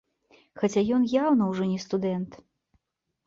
Хаця ён яўна ўжо не студэнт.